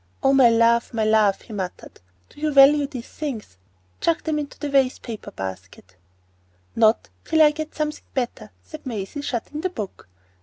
"Oh, my love, my love," he muttered, "do you value these things? Chuck 'em into the waste paper basket!" "Not till I get something better," said Maisie, shutting the book.